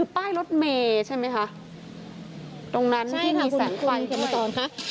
ป้ายรถเมใช่ไหมคะตรงนั้นใช่ค่ะคุณผู้ชมนมเขียนมาตอนค่ะ